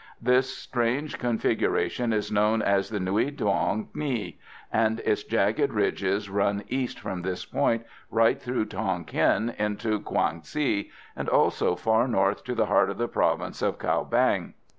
This strange configuration is known as the Nui dong Nghi, and its jagged ridges run east from this point right through Tonquin into Kwang si, and also far north to the heart of the province of Cao Bang.